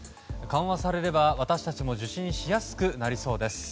緩和されれば私たちも受診しやすくなりそうです。